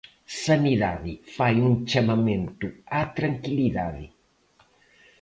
Sanidade fai un chamamento á tranquilidade.